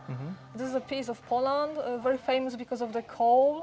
ini adalah bagian dari polandia sangat terkenal karena minyak kain